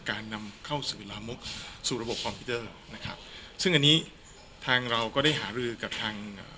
การนำเข้าสื่อลามกสู่ระบบคอมพิวเตอร์นะครับซึ่งอันนี้ทางเราก็ได้หารือกับทางเอ่อ